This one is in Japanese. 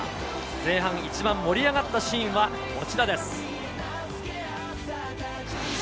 前半一番盛り上がったシーンはこちらです。